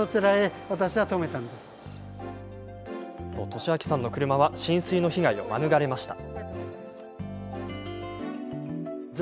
敏明さんの車は浸水の被害を免れました。